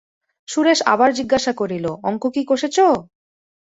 সুরেশ আবার জিজ্ঞাসা করিল, অঙ্ক কি কষেচ?